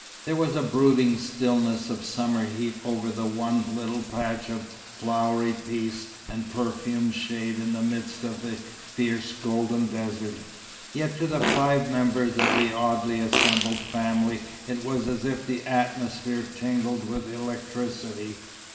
There was a brooding stillness of summer heat over the one little patch of flowery peace and perfumed shade in the midst of the fierce golden desert. Yet to the five members of the oddly assembled family it was as if the atmosphere tingled with electricity.